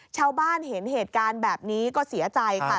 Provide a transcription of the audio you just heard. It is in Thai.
ชาวบ้านเห็นเหตุการณ์แบบนี้ก็เสียใจค่ะ